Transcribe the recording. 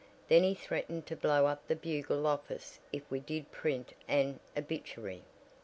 Then he threatened to blow up the Bugle office if we did print an obituary.